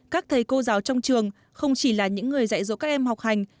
các thầy cô giáo trong trường không chỉ là những người dạy dỗ các em học hành